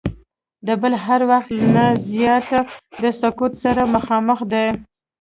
د بل هر وخت نه زیات د سقوط سره مخامخ دی.